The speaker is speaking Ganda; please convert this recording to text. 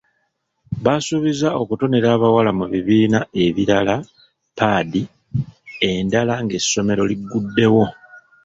Basuubiza okutonera abawala mu bibiina ebirala paadi endala ng'essomero liguddewo.